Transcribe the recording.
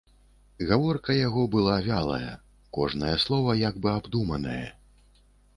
Гаворка яго была вялая, кожнае слова як бы абдуманае.